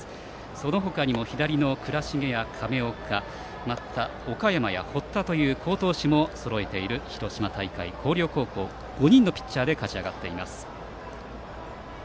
その他にも左の倉重、亀岡岡山や堀田という好投手もそろえている広島大会、広陵高校５人のピッチャーで勝ち上がっています。